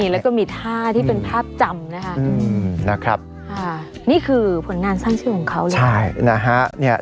แล้วก็มีท่าที่เป็นภาพจำนะฮะนี่คือผลงานสร้างชื่อของเขา